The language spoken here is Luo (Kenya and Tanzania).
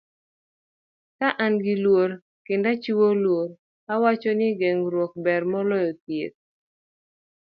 Ka an gi luor kendo achiwo luor, awachonu ni geng'ruok ber moloyo thieth.